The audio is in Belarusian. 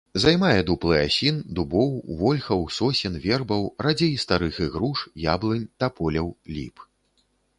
Займае дуплы асін, дубоў, вольхаў, сосен, вербаў, радзей старых ігруш, яблынь, таполяў, ліп.